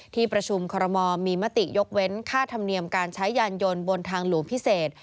ที่ประชุมคอรมอลมีมติยกเว้นค่าธรรมเนียมการใช้ยานยนต์บนทางหลวงพิเศษ